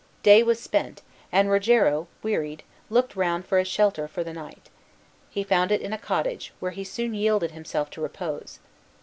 Day was spent, and Rogero, wearied, looked round for a shelter for the night. He found it in a cottage, where he soon yielded himself to repose.